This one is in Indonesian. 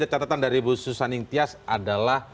catatan dari bu susaning tias adalah